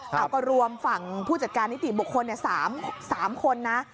เอาก็รวมฝั่งผู้จัดการนิติบุคคล๓คนนะ